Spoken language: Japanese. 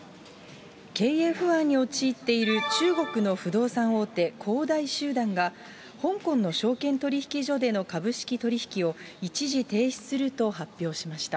経営不安に陥っている中国の不動産大手、恒大集団が、香港の証券取引所での株式取り引きを、一時停止すると発表しました。